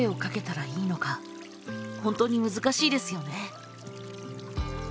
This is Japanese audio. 本当に難しいですよね。